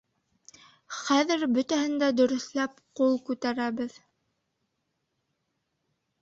Хәҙер бөтәһен дә дөрөҫләп, ҡул күтәрәбеҙ.